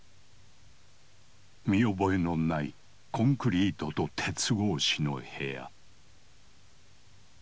見覚えのないコンクリートと鉄格子の部屋。